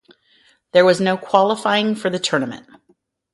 There was no qualifying for the tournament.